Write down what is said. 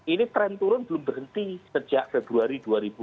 ini tren turun belum berhenti sejak februari dua ribu dua puluh